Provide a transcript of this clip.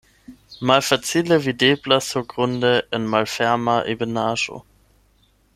Malfacile videblas surgrunde en malferma ebenaĵo.